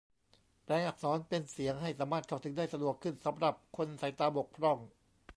แปลงอักษรเป็นเสียง ให้สามารถเข้าถึงได้สะดวกขึ้นสำหรับคนสายตาบกพร่อง